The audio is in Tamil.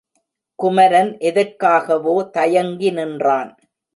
குமரன் எதற்காகவோ தயங்கி நின்றான்.